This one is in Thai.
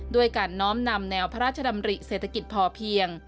ด้วยการน้อมนำแนวพระราชดำริเศรษฐกิจพอเพียง